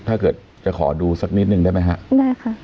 ถ้าเกิดจะขอดูสักนิดนึงได้ไหมฮะได้ค่ะ